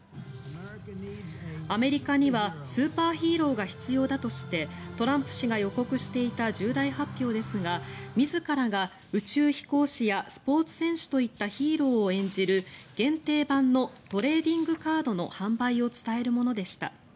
アメリカにはスーパーヒーローが必要だとしてトランプ氏が予告していた重大発表ですが自らが宇宙飛行士やスポーツ選手といったヒーローを演じる限定版のトレーディングカードの販売を伝えるものでした。